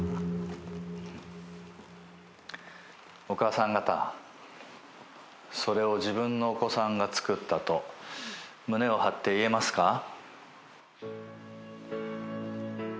「お母さん方それを自分のお子さんが作ったと胸を張って言えますか？」